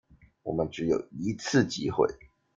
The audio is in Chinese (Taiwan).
我們只有一次機會